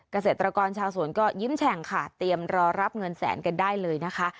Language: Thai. เกษตรกรชาวสวนก็ยิ้มแฉ่งค่ะเตรียมรอรับเงินแสนกันได้เลยนะคะ